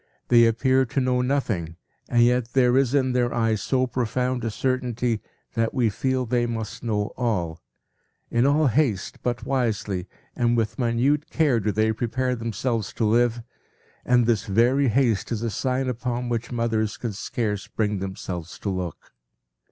They appear to know nothing, and yet there is in their eyes so profound a certainty that we feel they must know all.—In all haste, but wisely and with minute care do they prepare themselves to live, and this very haste is a sign upon which mothers can scarce bring themselves to look.